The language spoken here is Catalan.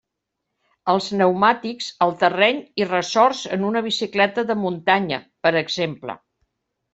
Els pneumàtics, el terreny i ressorts en una bicicleta de muntanya, per exemple.